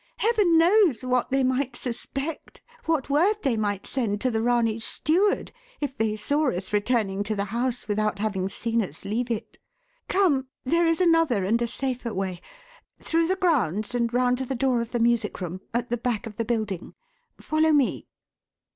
"Heaven knows what they might suspect, what word they might send to the Ranee's steward, if they saw us returning to the house without having seen us leave it. Come! there is another and a safer way. Through the grounds and round to the door of the music room, at the back of the building. Follow me."